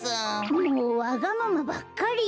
もうわがままばっかり！